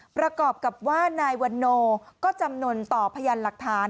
ประกอบกับว่านายวันโนก็จำนวนต่อพยานหลักฐาน